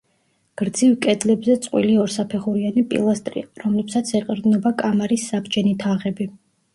გრძივ კედლებზე წყვილი ორსაფეხურიანი პილასტრია, რომლებსაც ეყრდნობა კამარის საბჯენი თაღები.